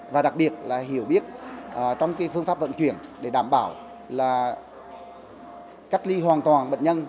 và đặc biệt là hiểu biết trong phương pháp vận chuyển để đảm bảo là cách ly hoàn toàn bệnh nhân